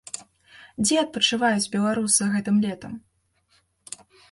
Дзе адпачываюць беларусы гэтым летам?